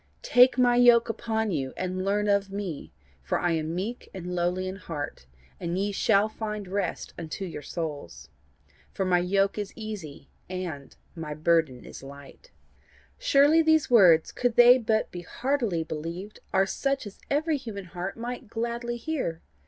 Take my yoke upon you, and learn of me; for I am meek and lowly in heart: and ye shall find rest unto your souls. For my yoke is easy, and my burden is light'? "Surely these words, could they but be heartily believed, are such as every human heart might gladly hear!